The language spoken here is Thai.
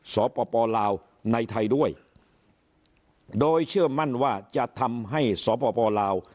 สปลาวในไทยด้วยโดยเชื่อมั่นว่าจะทำให้สปลาว